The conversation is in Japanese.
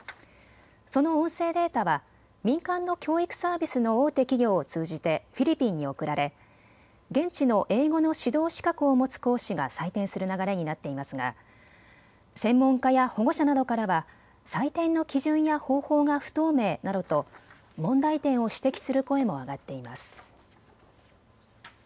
その音声データは民間の教育サービスの大手企業を通じてフィリピンに送られ現地の英語の指導資格を持つ講師が採点する流れになっていますが専門家や保護者などからは採点の基準や方法が不透明などと問題点を指摘する声も上がっています。